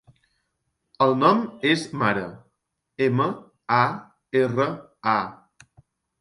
El nom és Mara: ema, a, erra, a.